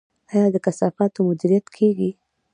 آیا د کثافاتو مدیریت کیږي؟